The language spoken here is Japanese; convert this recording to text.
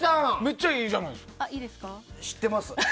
知ってます。